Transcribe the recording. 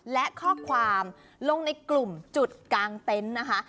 และข้อความลงในกลุ่มจุดกลางเต็นต์นะคะ